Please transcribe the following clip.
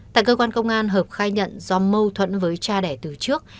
tại cơ quan công an hợp khai nhận do mâu thuẫn với cha đẻ từ trước